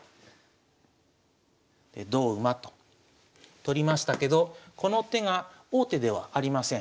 で同馬と取りましたけどこの手が王手ではありません。